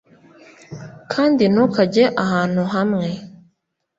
kandi ntukajye ahantu na hamwe